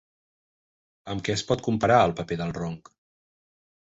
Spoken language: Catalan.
Amb què es pot comparar el paper del ronc?